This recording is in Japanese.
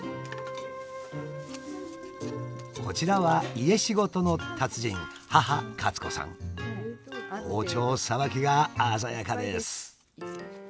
こちらは家仕事の達人包丁さばきが鮮やかです。